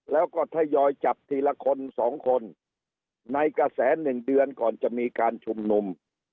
แล้วก็ทยอยจับทีละคนสองคนในกระแส๑เดือนก่อนจะมีการชุมนุม